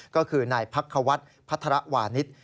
ก็คือนายพักขวัดพัทรวาณิชย์